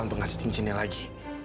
ngekas cincinnya lagi